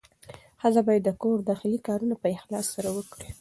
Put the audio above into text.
ښځه باید د کور داخلي کارونه په اخلاص سره وکړي.